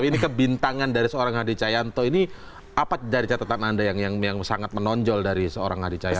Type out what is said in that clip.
tapi ini kebintangan dari seorang hadi cayanto ini apa dari catatan anda yang sangat menonjol dari seorang hadi cahyanto